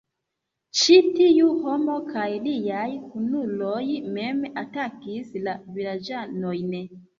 Ĉi tiu homo kaj liaj kunuloj mem atakis la vilaĝanojn.